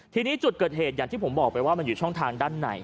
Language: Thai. ทีนี้จุดเกิดเหตุอย่างที่ผมบอกไปว่ามันอยู่ช่องทางด้านใน